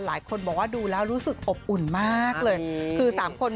หลายคนบอกว่าดูแล้วรู้สึกอบอุ่นมากเลยคือสามคน